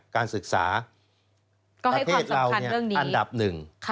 การศึกษาประเทศเราอันดับหนึ่ง